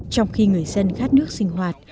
trong khi người dân khát nước sinh hoạt